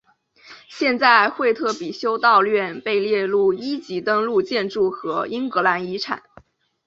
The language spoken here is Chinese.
现在惠特比修道院被列入一级登录建筑和英格兰遗产。